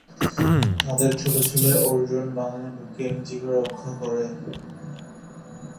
তাদের ছোট ছেলে অর্জুন বাগানে লুকিয়ে নিজেকে রক্ষা করে।